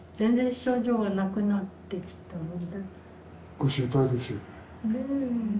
ご心配ですよね。